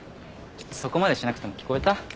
そこまでしなくても聞こえた？